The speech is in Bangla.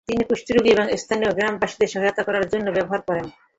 তিনি কুষ্ঠরোগী এবং স্থানীয় গ্রামবাসীদের সহায়তা করার জন্য ব্যবহার করেন।